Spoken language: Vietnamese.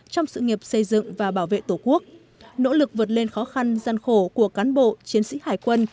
trong sự nghiệp xây dựng và bảo vệ tổ quốc nỗ lực vượt lên khó khăn gian khổ của cán bộ chiến sĩ hải quân